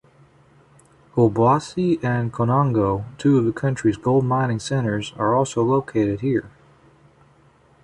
Obuasi and Konongo, two of the country's gold-mining centers, are also located here.